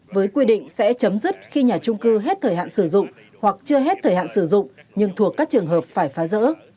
với quy định sẽ chấm dứt khi nhà trung cư hết thời hạn sử dụng hoặc chưa hết thời hạn sử dụng nhưng thuộc các trường hợp phải phá rỡ